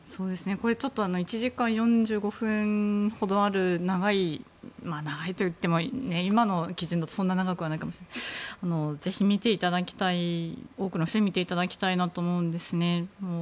これ、１時間４５分ほどある長い長いといっても今の基準だとそんなに長くはないかもしれませんけどぜひ多くの人に見ていただきたいと思うんですね。